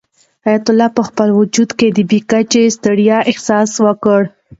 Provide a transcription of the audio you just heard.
حیات الله په خپل وجود کې د بې کچې ستړیا احساس وکړ.